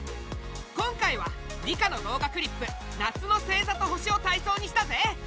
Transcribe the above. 今回は理科の動画クリップ「夏の星ざと星」をたいそうにしたぜ！